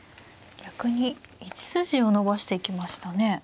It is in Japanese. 逆に１筋を伸ばしていきましたね。